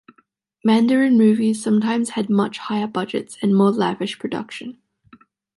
Mandarin movies sometimes had much higher budgets and more lavish production.